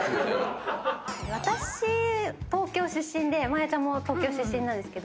私東京出身で真礼ちゃんも東京出身なんですけど。